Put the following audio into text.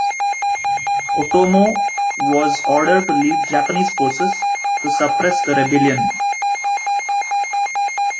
Otomo was ordered to lead Japanese forces to suppress the rebellion.